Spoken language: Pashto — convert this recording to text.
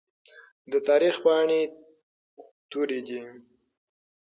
د تاريخ پاڼې تورې دي.